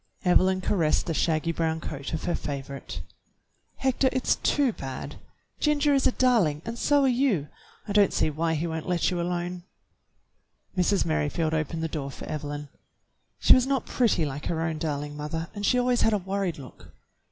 Evelyn caressed the shaggy brown coat of her favorite. Hector, it's too bad. Ginger is a darling, and so are you; I don't see why he won't let you alone." Mrs. Merrifield opened the door for Evelyn. She was not pretty like her own darling mother, and she always had a worried look.